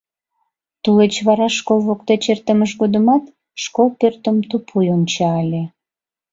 Тулеч вара школ воктеч эртымыж годымат школ пӧртым тупуй онча ыле.